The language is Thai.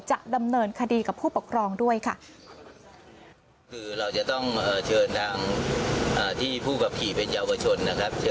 จะดำเนินคดีกับผู้ปกครองด้วยค่ะ